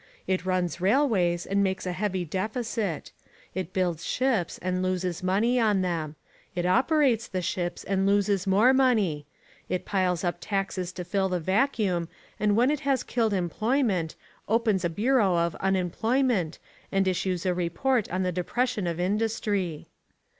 It runs railways and makes a heavy deficit: it builds ships and loses money on them: it operates the ships and loses more money: it piles up taxes to fill the vacuum and when it has killed employment, opens a bureau of unemployment and issues a report on the depression of industry.